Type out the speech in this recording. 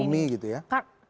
sumi gitu ya